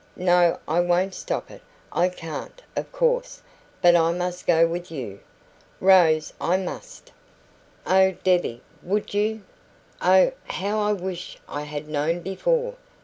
No, I won't stop it. I can't, of course; but I must go with you, Rose I MUST." "Oh, Debbie, WOULD you? Oh, how I wish I had known before!